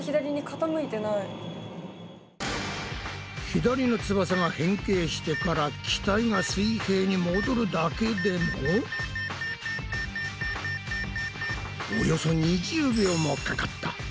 左の翼が変形してから機体が水平に戻るだけでもおよそ２０秒もかかった。